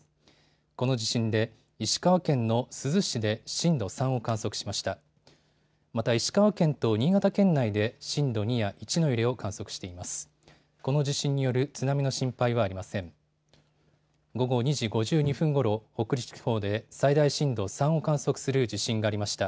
この地震で石川県の珠洲市で震度３を観測しました。